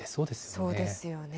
そうですよね。